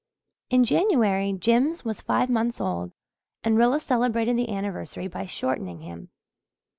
In January Jims was five months old and Rilla celebrated the anniversary by shortening him.